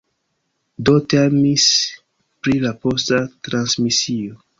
Do temis pri la posta transmisio.